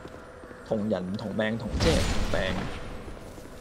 同人唔同命同遮唔同柄